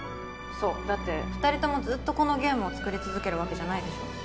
そうだって２人ともずっとこのゲームを作り続けるわけじゃないでしょ？